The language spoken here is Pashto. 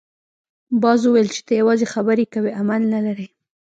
باز وویل چې ته یوازې خبرې کوې عمل نه لرې.